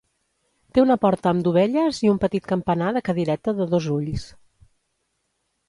Té una porta amb dovelles i un petit campanar de cadireta de dos ulls.